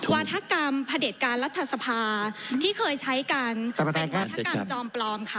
วาธกรรมพระเด็จการรัฐสภาที่เคยใช้กันเป็นวัฒกรรมจอมปลอมค่ะ